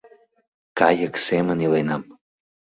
Кайык семын иленам.